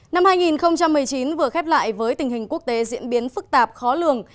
năm hai nghìn một mươi chín vừa khép lại với tình hình quốc tế diễn biến phức tạp khó lường